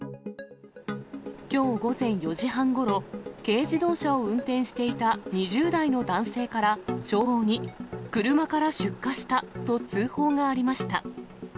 きょう午前４時半ごろ、軽自動車を運転していた２０代の男性から消防に、車から出火したと通報がありました。